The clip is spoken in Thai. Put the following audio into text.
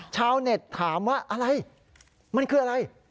ชาวเน็ตถามว่าอะไรมันคืออะไร